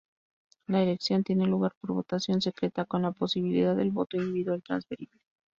La elección tiene lugar por votación secreta con la posibilidad del voto individual transferible.